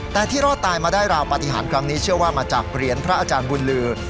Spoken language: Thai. แต่ที่รอดตายมาได้ราวปฏิหารครั้งนี้เชื่อว่ามาจากเหรียญพระอาจารย์บุญลือ